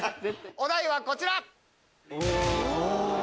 お題はこちら！